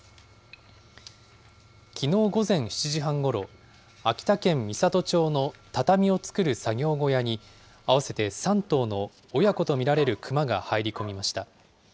きのう午前７時半ごろ、秋田県美郷町の畳を作る作業小屋に、合わせて３頭の親子と見られるクマが入り込みました。